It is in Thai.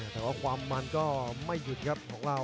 แต่ว่าความมันก็ไม่หยุดครับของเรา